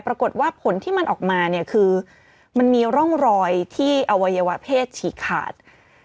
ปรากฏว่าผลที่มันออกมาเนี่ยคือมันมีร่องรอยที่อวัยวะเพศฉีกขาด